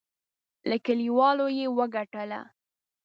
له کلیوالو یې وګټله.